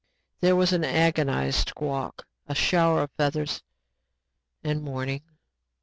There was an agonized squawk, a shower of feathers and mourning.